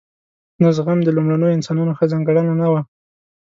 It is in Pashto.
نه زغم د لومړنیو انسانانو ښه ځانګړنه نه وه.